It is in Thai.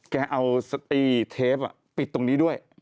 แกเอาเทปปิดตรงนี้ด้วย